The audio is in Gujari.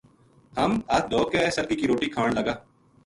ہم ہتھ دھو کے سرگی کی روٹی کھان لگا